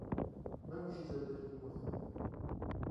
مهمکی زهرده لیمۆیه